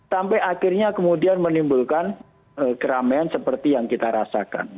sampai akhirnya kemudian menimbulkan keramaian seperti yang kita rasakan